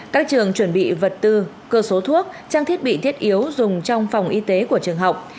các trường chuẩn bị vật tư cơ số thuốc trang thiết bị thiết yếu dùng trong phòng y tế của trường học